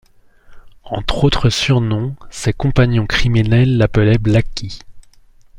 Entre autres surnoms, ses compagnons criminels l’appelaient Blacky.